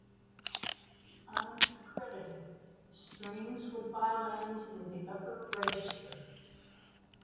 Unaccredited: Strings with violins in the upper register.